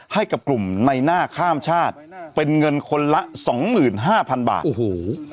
ให้กับกลุ่มในหน้าข้ามชาติเป็นเงินคนละสองหมื่นห้าพันบาทโอ้โห